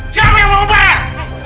siapa yang mau bubar